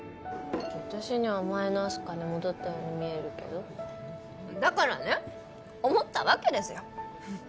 私には前のあす花に戻ったように見えるけどだからね思ったわけですよ